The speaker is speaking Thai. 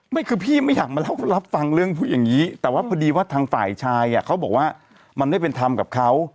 ไม่คือพี่ไม่อยากมาเล่ารับฟังเรื่องอย่างนี้แต่ว่าพอดีว่าทางฝ่ายชายเขาบอกว่ามันไม่เป็นธรรมกับเขา